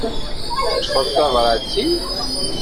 Teṭṭfeḍ tabrat-iw?